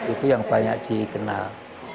itu yang banyak dikenal